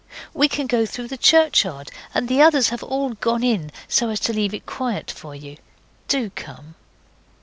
We can go through the churchyard, and the others have all gone in, so as to leave it quiet for you. Do come.